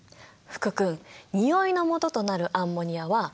福君においのもととなるアンモニアは酸？